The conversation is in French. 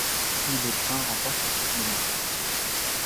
Puis les Bruins remportent la Coupe Memorial.